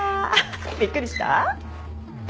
びっくりした？